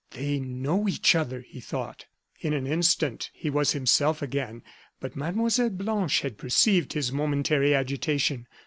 "They know each other!" he thought. In an instant he was himself again; but Mlle. Blanche had perceived his momentary agitation.